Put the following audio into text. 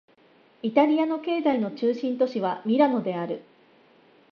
イタリアの経済の中心都市はミラノである